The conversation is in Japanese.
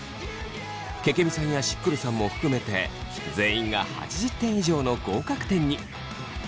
けけみさんやしっくるさんも含めて全員が８０点以上の合格点に。